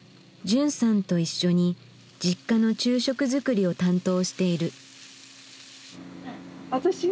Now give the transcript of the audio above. じゅんさんと一緒にＪｉｋｋａの昼食作りを担当している。